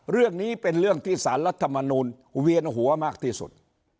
เรื่องนี้เป็นเรื่องที่สารรัฐมนูลเวียนหัวมากที่สุด